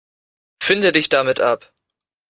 Finde dich damit ab.